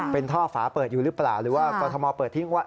เป็นท่อฝาเปิดอยู่หรือเปล่าหรือว่ากรทมเปิดทิ้งว่า